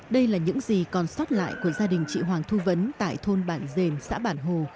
đây là những gì còn sót lại của gia đình chị hoàng thu vấn tại thôn bản dền xã bản hồ